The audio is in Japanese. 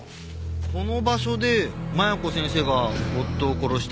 この場所で麻弥子先生が夫を殺したって事ですか？